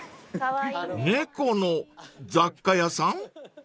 ［猫の雑貨屋さん？］